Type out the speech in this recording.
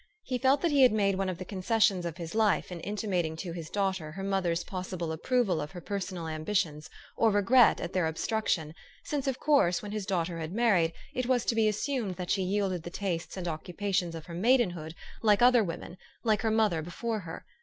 He felt that he had made one of the con cessions of his life in intimating to his daughter her mother's possible approval of her personal ambi tions, or regret at their obstruction j since, of course, when his daughter had married, it was to be assumed that she yielded the tastes and occupations of her maidenhood, like other women like her mother be fore her.